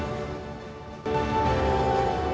sesaat lagi tetaplah bersama kami